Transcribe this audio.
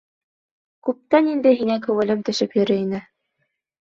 Күптән инде һиңә күңелем төшөп йөрөй ине.